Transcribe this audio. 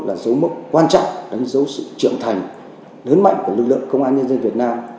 là dấu mốc quan trọng đánh dấu sự trưởng thành lớn mạnh của lực lượng công an nhân dân việt nam